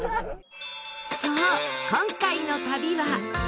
そう今回の旅は。